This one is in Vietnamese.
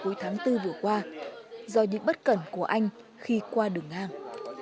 cuối tháng bốn vừa qua do những bất cần của anh khi qua đường ngang